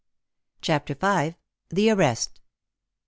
CHAPTER V. THE ARREST.